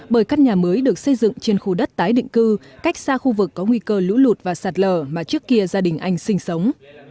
bởi căn nhà mới được xây dựng trên khu đất tái định cư cách xa khu vực có nguy cơ lũ lụt và sạt lở mà trước kia gia đình anh sinh sống